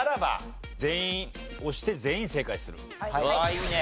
いいね。